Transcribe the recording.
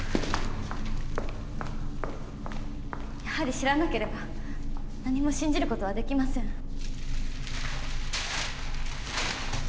やはり知らなければ何も信じることはできません。